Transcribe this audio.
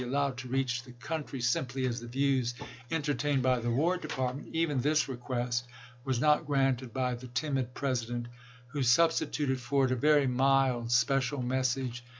allowed to reach, the country " simply as the views entertained by the War Department," even this request was not granted by the timid President, who substituted for it a very mild special message, ibid.